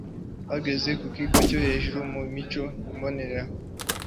bageze ku kigero cyo hejuru mu mico mbonera